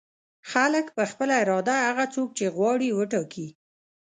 خلک په خپله اراده هغه څوک چې غواړي وټاکي.